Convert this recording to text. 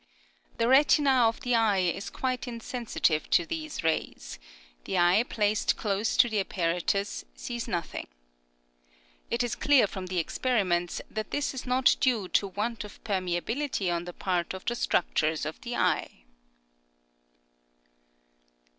The retina of the eye is quite insensitive to these rays; the eye placed close to the apparatus sees nothing. It is clear from the experiments that this is not due to want of permeability on the part of the structures of the eye.